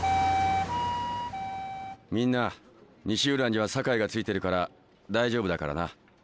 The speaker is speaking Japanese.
みんな西浦には坂井がついてるから大丈夫だからな。